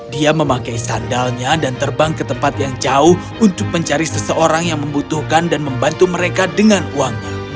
dia memakai sandalnya dan terbang ke tempat yang jauh untuk mencari seseorang yang membutuhkan dan membantu mereka dengan uangnya